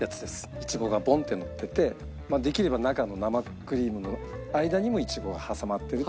イチゴがボンッてのっててできれば中の生クリームの間にもイチゴが挟まってると。